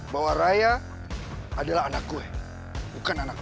bahwa raya adalah anak gue bukan anak lo